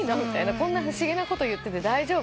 「こんな不思議なこと言ってて大丈夫？」